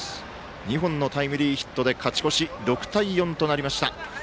２本のタイムリーヒットで勝ち越し６対４となりました。